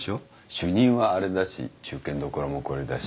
主任はあれだし中堅どころもこれだし。